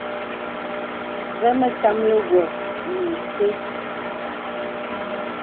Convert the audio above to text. Və mə kàməlì wɔ̀ nə isə.